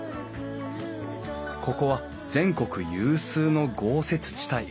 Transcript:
ここは全国有数の豪雪地帯。